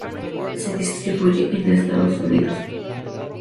Se distribuye en Estados Unidos.